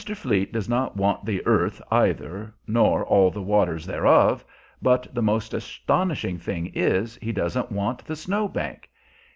Fleet does not "want the earth," either, nor all the waters thereof; but the most astonishing thing is, he doesn't want the Snow Bank!